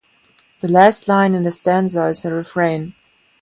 The last line in the stanza is a refrain.